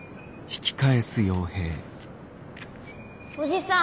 おじさん。